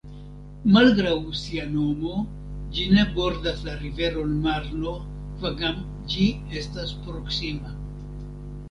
Malgraŭ sia nomo, ĝi ne bordas la riveron Marno, kvankam ĝi estas proksima.